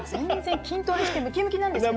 筋トレしてムキムキなんですけどね。